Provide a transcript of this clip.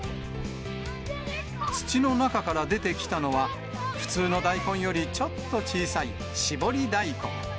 土の中から出てきたのは、普通の大根よりちょっと小さいしぼり大根。